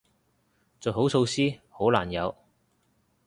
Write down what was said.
做好措施，好難有